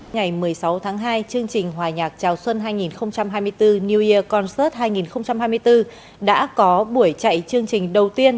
ngày một mươi sáu tháng hai chương trình hòa nhạc chào xuân hai nghìn hai mươi bốn new year concert hai nghìn hai mươi bốn đã có buổi chạy chương trình đầu tiên